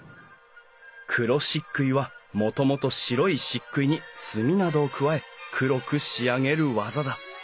黒漆喰はもともと白い漆喰に墨などを加え黒く仕上げる技だ。